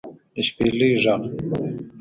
د شپېلۍ غږ